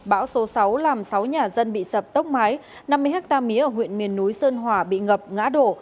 bão số sáu làm sáu nhà dân bị sập tốc mái năm mươi hectare mía ở huyện miền núi sơn hòa bị ngập ngã đổ